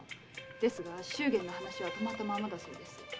ですが祝言の話は止まったままだそうです。